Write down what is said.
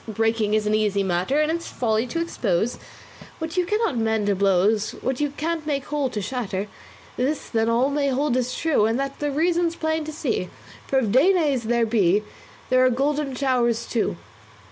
Breaking is an easy matter, And it's folly to expose What you cannot mend to blows; What you can't make whole to shatter. This, then, all may hold as true, And the reason's plain to see; For if Danaes there be, There are golden showers too.